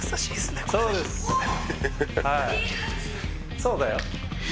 そうだよ。